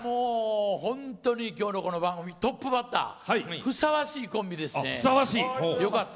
今日のこの番組トップバッターふさわしいコンビですね。